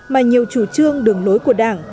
mà nhiều chủ trương đường lối của đảng